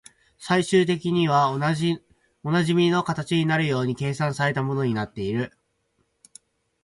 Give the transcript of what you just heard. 最終的にはおなじみの形になるように計算された物になっている